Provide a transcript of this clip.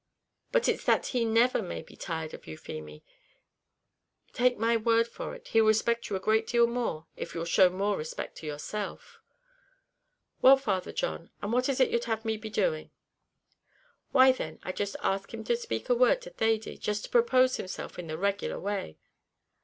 "But it's that he never may be tired of you, Feemy; take my word for it, he'll respect you a great deal more if you'll show more respect to yourself." "Well, Father John, and what is it you'd have me be doing?" "Why, then, I'd just ask him to speak a word to Thady just to propose himself in the regular way."